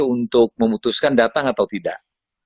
untuk memutuskan datang atau tidak